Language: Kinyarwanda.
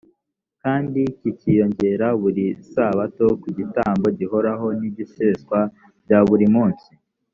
kandi kikiyongera buri sabato ku gitambo gihoraho n’igiseswa bya buri munsi.